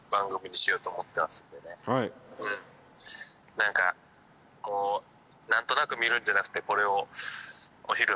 何かこう何となく見るんじゃなくてこれを。